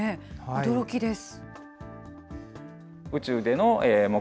驚きです。